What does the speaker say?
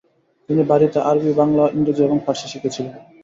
তিনি বাড়িতে আরবি, বাংলা, ইংরেজি, এবং ফার্সি শিখেছিলেন ।